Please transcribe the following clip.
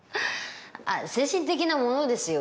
精神的なものですよ。